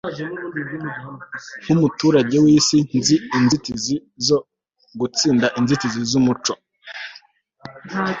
nkumuturage wisi, nzi inzira zo gutsinda inzitizi zumuco